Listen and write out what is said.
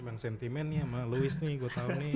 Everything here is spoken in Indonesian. emang sentimen nih sama lewis nih gue tau nih